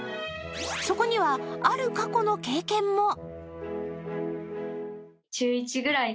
そこにはある過去の経験も。